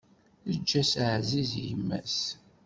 Eǧǧ-as aɛziz i yemma-s.